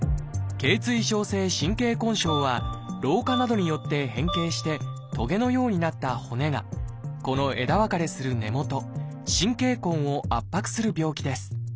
頚椎症性神経根症は老化などによって変形してトゲのようになった骨がこの枝分かれする根元「神経根」を圧迫する病気です。